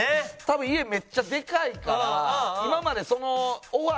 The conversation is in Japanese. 多分家めっちゃでかいから今までその。